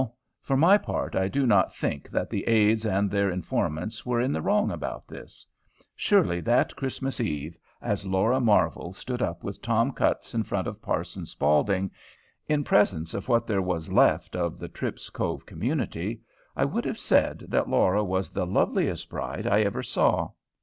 for my part I do not think that the aids and their informants were in the wrong about this. Surely that Christmas Eve, as Laura Marvel stood up with Tom Cutts in front of Parson Spaulding, in presence of what there was left of the Tripp's Cove community, I would have said that Laura was the loveliest bride I ever saw.